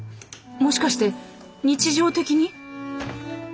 もしかして日常的に？